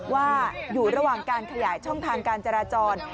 ว่าอยู่ระหว่างการขยายช่องทางการจราจร